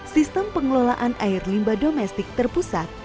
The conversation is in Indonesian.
sistem pengelolaan air limba domestik terpusat